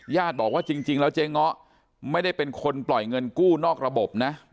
ญาติบอกว่าจริงแล้วเจ๊ง้อไม่ได้เป็นคนปล่อยเงินกู้นอกระบบนะ